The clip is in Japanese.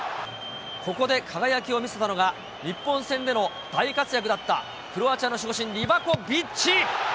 ここで輝きを見せたのが、日本戦でも大活躍だったクロアチアの守護神、リバコビッチ。